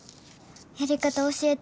やり方教えて。